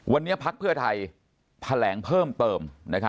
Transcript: วันนี้พักเพื่อไทยแถลงเพิ่มเติม